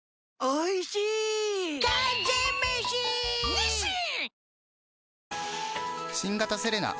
ニッシン！